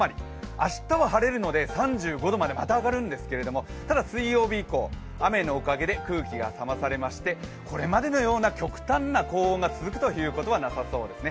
明日は晴れるので３５度までまた上がるんですけれどもただ水曜日以降、雨のおかげで空気が冷まされましてこれまでのような極端な高温が続くということはなさそうですね。